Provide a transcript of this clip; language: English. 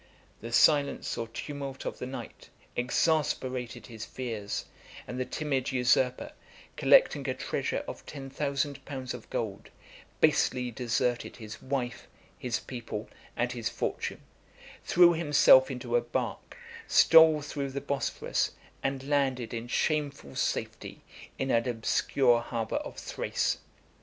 The silence or tumult of the night exasperated his fears; and the timid usurper, collecting a treasure of ten thousand pounds of gold, basely deserted his wife, his people, and his fortune; threw himself into a bark; stole through the Bosphorus; and landed in shameful safety in an obscure harbor of Thrace.